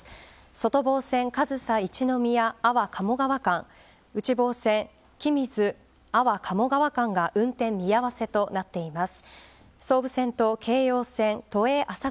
外房線、上総一ノ宮、安房鴨川間内房線、君津、安房鴨川間が運転見合わせとなっています。